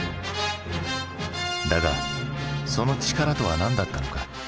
だがその力とは何だったのか？